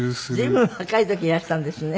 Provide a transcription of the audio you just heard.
随分若い時にいらしたんですね。